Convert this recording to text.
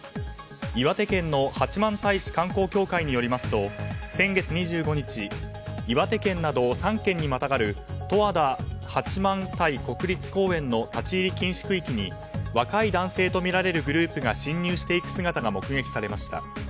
岩手県の八幡平市観光協会によりますと先月２５日岩手県など３県にまたがる十和田八幡平国立公園の立ち入り禁止区域に若い男性とみられるグループが侵入していく姿が目撃されました。